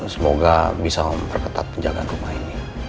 semoga bisa om perketat penjagaan rumah ini